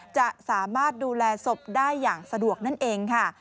จะสามารถดูแลศพได้อย่างสะดวกนั่นเองค่ะ